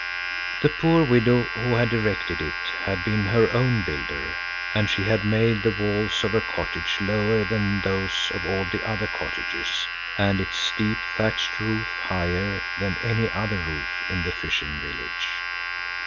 The poor widow who had erected it had been her own builder, and she had made the walls of her cottage lower than those of all the other cottages and its steep thatched roof higher than any other roof in the fishing village.